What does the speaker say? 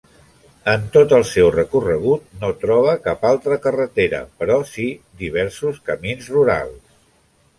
En tot el seu recorregut no troba cap altra carretera, però sí diversos camins rurals.